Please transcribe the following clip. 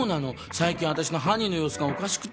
最近私のハニーの様子がおかしくて。